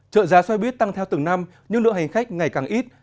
trợ giá xe buýt tăng theo từng năm nhưng lượng hành khách ngày càng ít